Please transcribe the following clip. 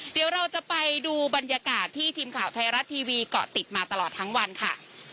เดี๋ยวเราจะไปดูบรรยากาศที่ทีมข่าวไทยรัฐทีวีเกาะติดมาตลอดทั้งวันค่ะ